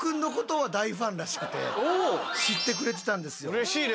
うれしいね。